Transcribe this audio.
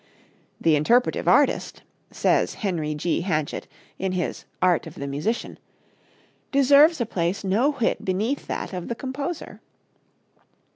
"The interpretive artist," says Henry G. Hanchett in his "Art of the Musician," "deserves a place no whit beneath that of the composer.